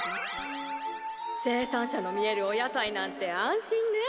生産者の見えるお野菜なんて安心ね